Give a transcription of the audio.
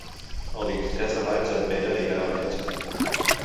El vint-i-tres de maig en Pere irà al metge.